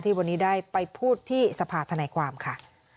วันนี้ได้ไปพูดที่สภาธนายความค่ะ